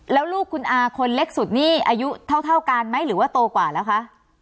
แล้วลูกคุณอาคนเล็กสุดนี่อายุเท่ากันไหมหรือว่าโตกว่าแล้วคะ